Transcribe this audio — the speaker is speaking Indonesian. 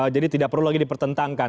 jadi tidak perlu lagi dipertentangkan